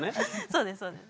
そうですそうです。